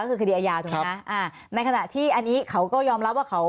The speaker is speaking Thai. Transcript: ก็คือคดีอาญาถูกไหมอ่าในขณะที่อันนี้เขาก็ยอมรับว่าเขา